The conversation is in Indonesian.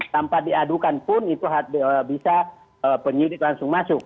tanpa diadukan pun itu bisa penyidik langsung masuk